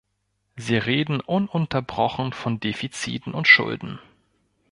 Sie reden ununterbrochen von Defiziten und Schulden.